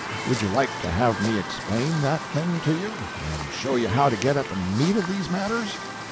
Would you like to have me explain that thing to you, and show you how to get at the meat of these matters?"